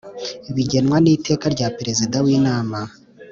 bigenwa n Iteka rya Perezida w inama